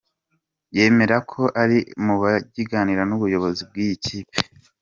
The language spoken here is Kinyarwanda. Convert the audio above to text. com yemera ko ari mu biganiro n’ubuyobozi bw’iyi kipe.